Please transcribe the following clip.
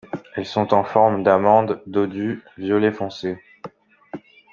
Elles sont en forme d'amande, dodues, violet foncé.